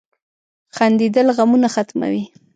• خندېدل غمونه ختموي.